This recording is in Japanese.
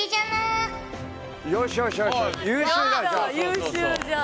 優秀じゃん。